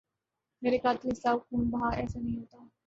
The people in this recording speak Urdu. مرے قاتل حساب خوں بہا ایسے نہیں ہوتا